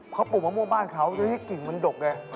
เขาปลูกมะม่วงบ้านเขาโดยที่กลิ่นมันดกเลย